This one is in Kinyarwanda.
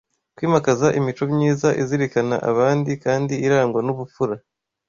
kwimakaza imico myiza izirikana abandi kandi irangwa n’ubupfura.